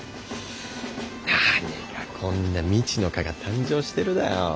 何がこんな未知の蚊が誕生してるだよ。